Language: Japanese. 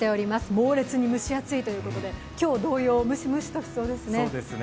猛烈に蒸し暑いということで今日同様、ムシムシとしそうですね。